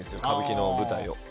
歌舞伎の舞台を。